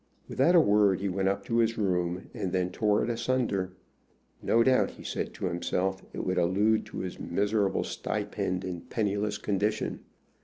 Without a word he went up to his room, and then tore it asunder. No doubt, he said to himself, it would allude to his miserable stipend and penniless condition.